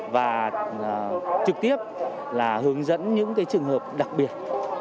và trực tiếp là hướng dẫn những trường hợp đặc biệt